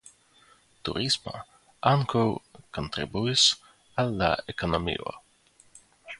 Turismo ankaŭ kontribuis al la ekonomio.